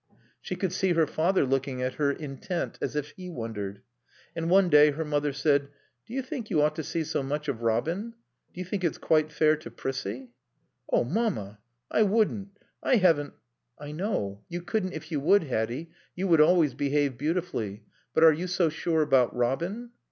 She could see her father looking at her, intent, as if he wondered. And one day her mother said, "Do you think you ought to see so much of Robin? Do you think it's quite fair to Prissie?" "Oh Mamma! ... I wouldn't. I haven't " "I know. You couldn't if you would, Hatty. You would always behave beautifully. But are you so sure about Robin?"